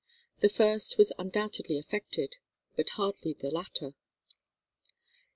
The first was undoubtedly affected, but hardly the latter.